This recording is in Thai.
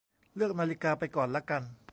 เลือกนาฬิกาไปก่อนละกัน